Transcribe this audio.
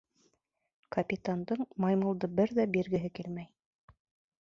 Капитандың маймылды бер ҙә биргеһе килмәй.